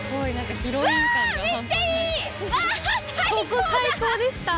ここ最高でした！